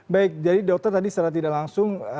baik jadi dokter tadi secara tidak langsung